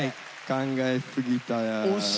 考えすぎたね。